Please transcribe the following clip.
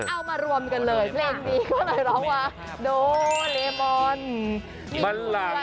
เอามารวมกันเลยเพลงนี้เขาเลยร้องว่า